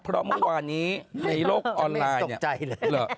เพราะว่าวันนี้ในโลกออนไลน์จะไม่ตกใจหรือ